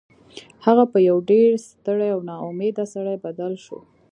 هغه په یو ډیر ستړي او ناامیده سړي بدل شو